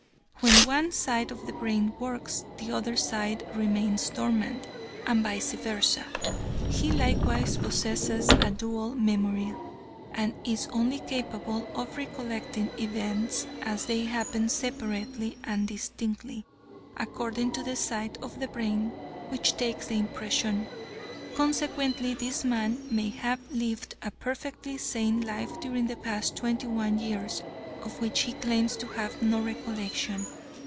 When one side of the brain works, the other side remains dormant, and vice versa. He likewise possesses a dual memory, and is only capable of recollecting events as they happen separately and distinctly, according to the side of the brain which takes the impression. Consequently, this man may have lived a perfectly sane life during the past twenty one years, of which he claims to have no recollection.